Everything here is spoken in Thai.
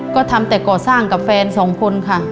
ก็ทำแต่ก่อสร้างกับแฟนสองคนค่ะ